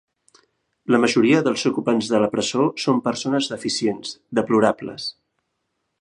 La majoria dels ocupants de la presó són persones deficients, deplorables.